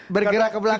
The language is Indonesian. bergerak ke belakang ya